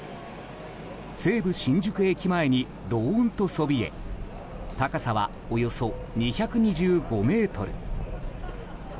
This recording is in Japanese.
西武新宿駅前にどーんとそびえ高さはおよそ２２５ｍ。